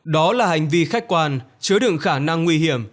đó là hành vi khách quan chứa đựng khả năng nguy hiểm